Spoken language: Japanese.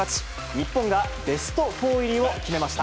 日本がベスト４入りを決めました。